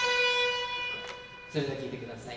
それでは、聴いてください。